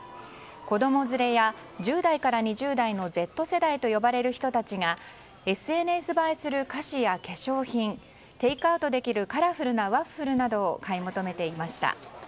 子供連れや、１０代から２０代のＺ世代と呼ばれる人たちがＳＮＳ映えする菓子や化粧品テイクアウトできるカラフルなワッフルなどを買い求めていました。